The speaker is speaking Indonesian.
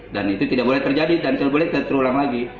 dan itu tidak boleh terjadi dan tidak boleh terulang lagi